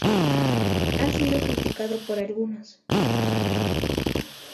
Ha sido criticado por algunos.